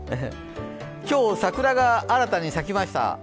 今日、桜が新たに咲きました。